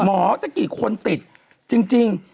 ตั้งกี่คนติดจริง